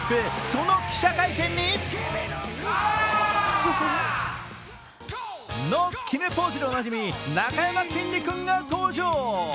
その記者会見にの決めポーズでおなじみなかやまきんに君が登場。